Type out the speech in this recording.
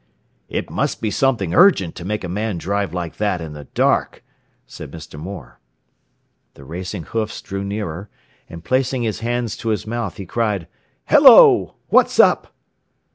"It must be something urgent to make a man drive like that in the dark," said Mr. Moore. The racing hoofs drew nearer, and placing his hands to his mouth he cried: "Hello! What's up?"